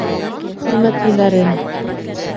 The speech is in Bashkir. — Хөрмәтлеләрем!